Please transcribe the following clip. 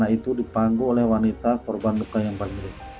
dan itu dipanggu oleh wanita korban luka yang paling ringan